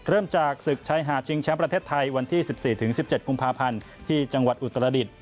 จากศึกชายหาดชิงแชมป์ประเทศไทยวันที่๑๔๑๗กุมภาพันธ์ที่จังหวัดอุตรดิษฐ